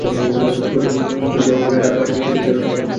পুড়ে যাওয়া ঘরের পাশের জঙ্গল থেকে কাঁথা বালিশ নিয়ে বের হচ্ছিল তারা।